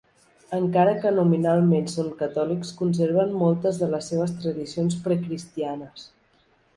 Encara que nominalment són catòlics conserven moltes de les seves tradicions precristianes.